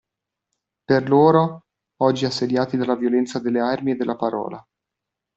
Per loro, oggi assediati dalla violenza delle armi e della parola.